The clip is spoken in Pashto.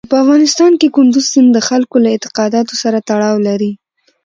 په افغانستان کې کندز سیند د خلکو له اعتقاداتو سره تړاو لري.